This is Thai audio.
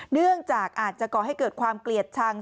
เนื่องจากอาจจะก่อให้เกิดความเกลียดชัง